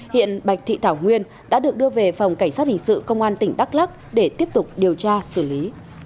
hiện bạch thị thảo nguyên đã được đưa về phòng cảnh sát hình sự công an tỉnh đắk lắc để tiếp tục điều tra xử lý